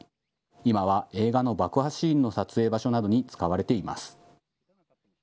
今は映画の爆破シーンの撮影場所などに使われています。